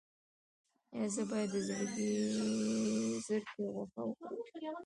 ایا زه باید د زرکې غوښه وخورم؟